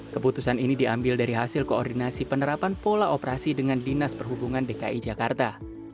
keputusan ini diambil dari hasil koordinasi penerapan pola operasi dengan dinas perhubungan dki jakarta